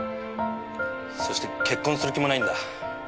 そして結婚する気もないんだ。